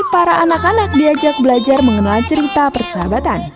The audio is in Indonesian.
para anak anak diajak belajar mengenal cerita persahabatan